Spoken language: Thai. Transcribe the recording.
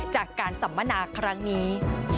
จากการสัมมนาครั้งนี้